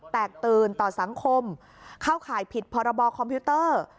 แตกตื่นต่อสังคมเข้าข่ายผิดพรบคอมพิวเตอร์